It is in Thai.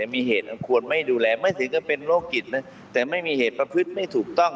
มีเหตุอันควรไม่ดูแลไม่ถึงก็เป็นโรคจิตนะแต่ไม่มีเหตุประพฤติไม่ถูกต้อง